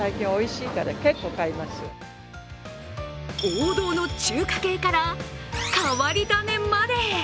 王道の中華系から変わり種まで。